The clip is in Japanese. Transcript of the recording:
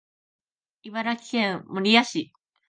茨城県守谷市